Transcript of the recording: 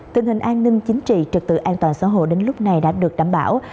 tình hình an ninh chính trị trật tự an toàn xã hội đến lúc này đã được đảm bảo